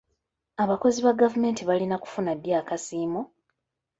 Abakozi ba gavumenti balina kufuna ddi akasiimo?